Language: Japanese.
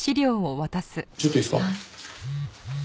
ちょっといいですか。